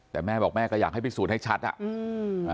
แต่แม่บอกแม่ก็อยากให้พิสูจน์ให้ชัดอ่ะอืม